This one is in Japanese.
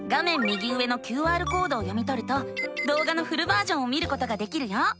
右上のＱＲコードを読みとるとどうがのフルバージョンを見ることができるよ。